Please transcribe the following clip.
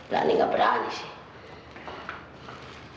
berani nggak berani sih